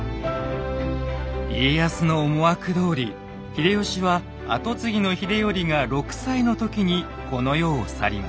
家康の思惑どおり秀吉は跡継ぎの秀頼が６歳の時にこの世を去ります。